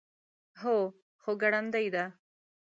هو، خو ګړندۍ ده